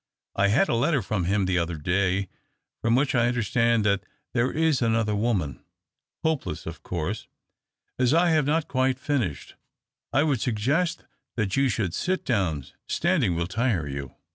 I had a letter from him the other day, from which I under stand that there is another woman. Hopeless, of course. As I have not quite finished, I would suggest that you should sit down. Standing will tire you."